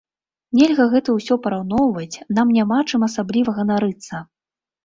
Нельга гэта ўсё параўноўваць, нам няма чым асабліва ганарыцца.